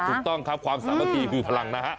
ถูกต้องครับความสามัคคีคือพลังนะฮะ